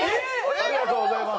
ありがとうございます。